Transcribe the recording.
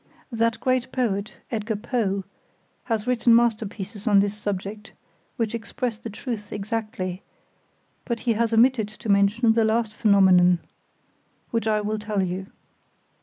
That great Poet, Edgar Poe, has written masterpieces on this subject, which express the truth exactly, but he has omitted to mention the last phenomenon, which I will tell you.